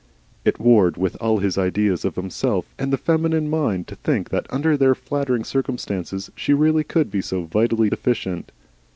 It warred with all his ideas of himself and the feminine mind to think that under their flattering circumstances she really could be so vitally deficient.